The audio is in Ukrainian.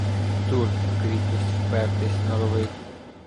Турн в кріпость впертись норовить.